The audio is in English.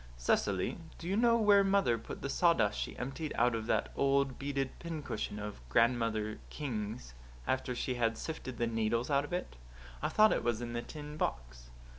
"Cecily, do you know where mother put the sawdust she emptied out of that old beaded pincushion of Grandmother King's, after she had sifted the needles out of it? I thought it was in the tin box."